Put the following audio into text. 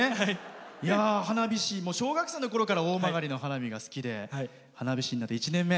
花火師、小学生のころから大曲の花火が好きで花火師になって１年目。